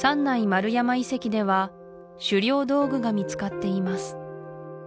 丸山遺跡では狩猟道具が見つかっています